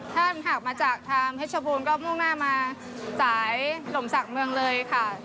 ถ้าหากมาจากทางเฮชโบนก็พรุ่งหน้ามาจ่ายหลมสักเมืองเลยค่ะ